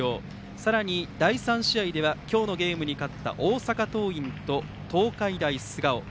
さらに第３試合では今日のゲームに勝った大阪桐蔭と東海大菅生。